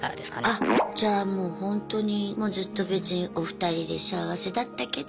あじゃあもうほんとにもうずっと別にお二人で幸せだったけど。